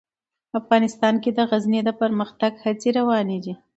افغانستان کې د غزني د پرمختګ هڅې روانې دي.